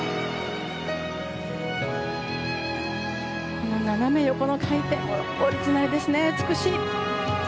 この斜め横の回転もオリジナルですね、素晴らしい。